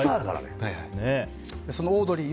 そのオードリー